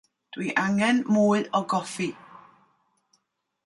Dw i angen mwy o goffi.